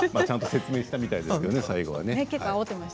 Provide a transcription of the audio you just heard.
ちゃんと説明したみたいですけど最後はね。